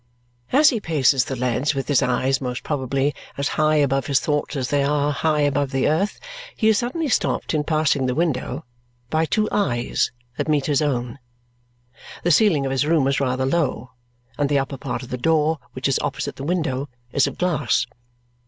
As he paces the leads with his eyes most probably as high above his thoughts as they are high above the earth, he is suddenly stopped in passing the window by two eyes that meet his own. The ceiling of his room is rather low; and the upper part of the door, which is opposite the window, is of glass.